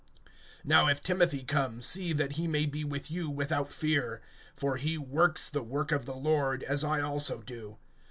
(10)Now if Timothy come, see that he may be with you without fear; for he works the work of the Lord, as I also do.